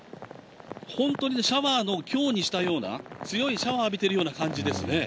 本当に、シャワーの、強にしたような、強いシャワーを浴びているような感じですね。